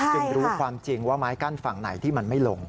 รู้ความจริงว่าไม้กั้นฝั่งไหนที่มันไม่ลง